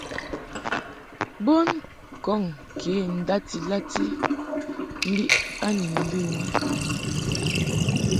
Bon kɔŋ kə ndati lati mbi a ni ləm a.